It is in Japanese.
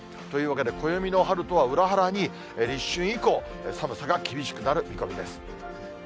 というわけで暦の春とは裏腹に、立春以降、寒さが厳しくなる見込みです。